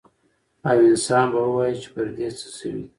او انسان به ووايي چې پر دې څه شوي دي؟